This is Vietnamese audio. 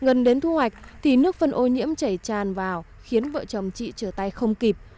gần đến thu hoạch thì nước phân ô nhiễm chảy tràn vào khiến vợ chồng chị trở tay không kịp